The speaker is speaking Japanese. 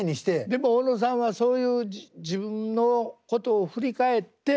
でも小野さんはそういう自分のことを振り返って。